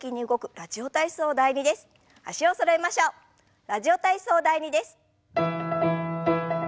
「ラジオ体操第２」です。